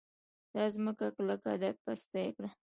دا ځمکه کلکه ده؛ پسته يې کړه.